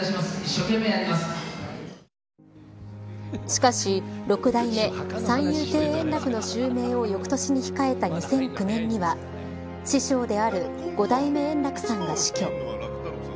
しかし六代目三遊亭円楽の襲名を翌年に控えた２００９年には師匠である五代目圓楽さんが死去。